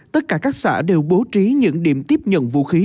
tất cả các xã đều bố trí những điểm tiếp nhận vũ khí